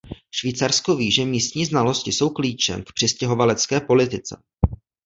Švýcarsko ví, že místní znalosti jsou klíčem k přistěhovalecké politice.